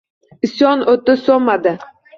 Isyon o’ti so’nmadi.